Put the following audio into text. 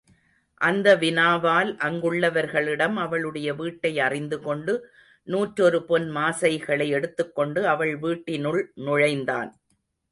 அந்த வினாவால் அங்குள்ளவர்களிடம் அவளுடைய வீட்டை அறிந்துகொண்டு நூற்றொரு பொன் மாசைகளை எடுத்துக்கொண்டு அவள் வீட்டினுள் நுழைந்தான்.